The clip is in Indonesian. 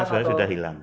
memang sudah hilang